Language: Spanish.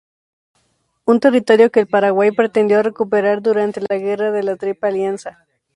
Un territorio que el Paraguay pretendió recuperar durante la guerra de la Triple Alianza.